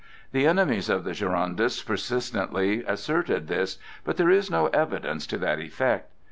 The enemies of the Girondists persistently asserted this, but there is no evidence to that effect.